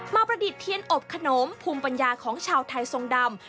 ประดิษฐ์เทียนอบขนมภูมิปัญญาของชาวไทยทรงดำ